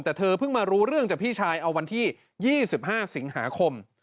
แต่เธอเพิ่งมารู้เรื่องจากพี่ชายเอาวันที่๒๕สิงหาคม